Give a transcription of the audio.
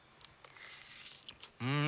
うん！